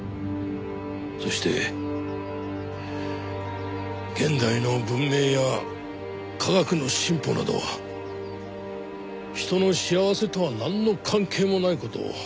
そして現代の文明や科学の進歩など人の幸せとはなんの関係もない事を確信した。